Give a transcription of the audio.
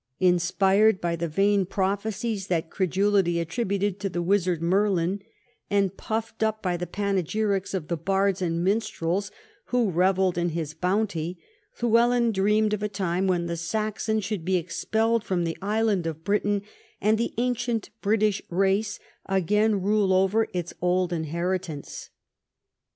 Inspired by the vain prophecies that credulity attributed to the wizard Merlin, and puffed up by the panegyrics of the bards and minstrels who revelled in his bounty, Llywelyn dreamed of a time when the Saxon should be expelled from the island of Britain and the ancient British race again rule over its old inheritance.